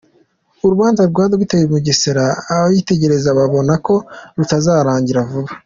Urubanza rwa Dr Mugesera ababyitegereza babona ko rutazarangira vuba.